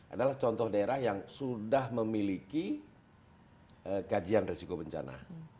adalah contoh daerah yang sudah memiliki kajian risiko bencana